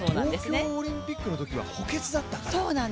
東京オリンピックのときは補欠だったから。